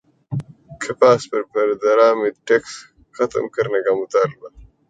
کپاس پر درامدی ٹیکس ختم کرنے کا مطالبہ